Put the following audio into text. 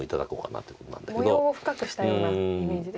模様を深くしたようなイメージですか。